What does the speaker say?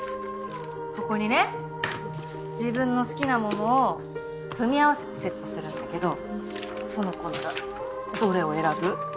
ここにね自分の好きなものを組み合わせてセットするんだけど苑子ならどれを選ぶ？